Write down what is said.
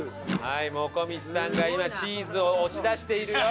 はいもこみちさんが今チーズを押し出しているよ。